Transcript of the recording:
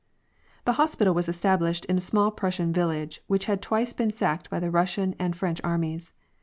The hospital was established in a small Prussian village, which had twice been sacked by the Russian and French armies.